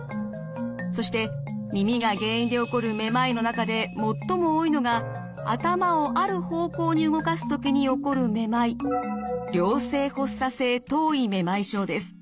そして耳が原因で起こるめまいの中で最も多いのが頭をある方向に動かすときに起こるめまい良性発作性頭位めまい症です。